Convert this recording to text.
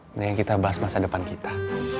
sebaiknya kita bahas masa depan kita